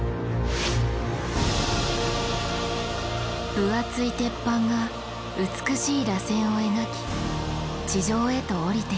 分厚い鉄板が美しいらせんを描き地上へとおりている。